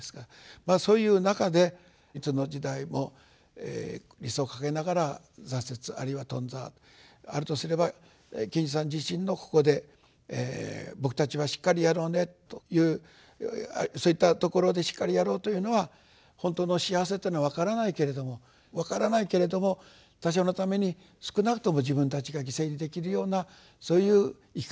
まあそういう中でいつの時代も理想を掲げながら挫折あるいは頓挫あるとすれば賢治さん自身のここで「僕たちはしっかりやろうね」というそういったところで「しっかりやろう」というのは本当の幸せっていうのは分からないけれども分からないけれども他者のために少なくとも自分たちが犠牲にできるようなそういう生き方をしようね。